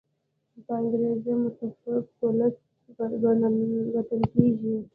با انګیزه او متفق ولس ګټل کیږي.